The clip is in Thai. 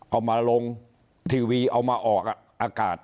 เอามาลงทีวีเอามาออกอากาศ